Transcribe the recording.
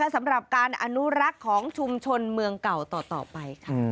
สำหรับการอนุรักษ์ของชุมชนเมืองเก่าต่อไปค่ะ